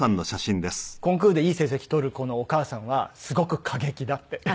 やっぱりコンクールでいい成績取る子のお母さんはすごく過激だって。